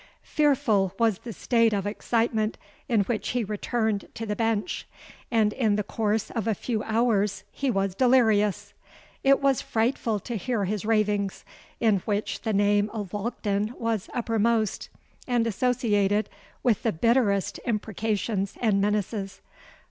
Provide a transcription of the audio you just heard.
Fearful was the state of excitement in which he returned to the Bench; and in the course of a few hours he was delirious. It was frightful to hear his ravings, in which the name of Walkden was uppermost, and associated with the bitterest imprecations and menaces.